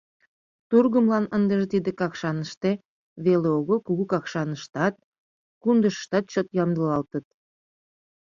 Тургымлан ындыже тиде Какшаныште веле огыл, Кугу Какшаныштат, Кундышыштат чот ямдылалтыт.